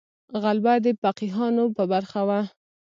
غلبه د فقیهانو په برخه وه.